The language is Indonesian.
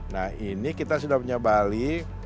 nah ini kita sudah punya bali